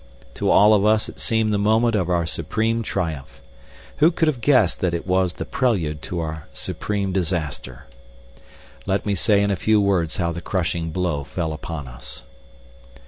To all of us it seemed the moment of our supreme triumph. Who could have guessed that it was the prelude to our supreme disaster? Let me say in a few words how the crushing blow fell upon us.